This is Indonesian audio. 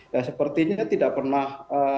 ya sepertinya tidak pernah